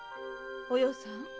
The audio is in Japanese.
お葉さん。